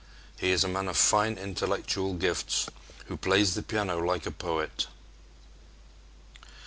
He is a man of fine intellectual gifts who plays the piano like a poet.